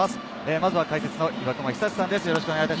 まずは解説の岩隈久志さんです。